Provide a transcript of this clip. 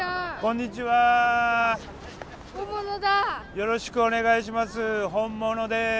よろしくお願いします。